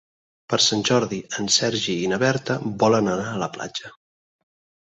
Per Sant Jordi en Sergi i na Berta volen anar a la platja.